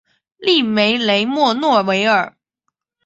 利梅雷默诺维尔。